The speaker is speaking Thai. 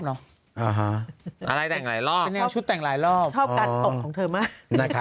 ชอบการตกของเธอมาก